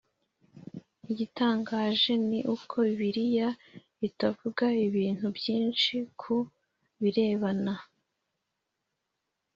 Igitangaje ni uko bibiliya itavuga ibintu byinshi ku birebana